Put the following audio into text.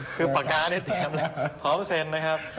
คือปากกานี่เตรียมแล้วพร้อมเซ็นนะครับ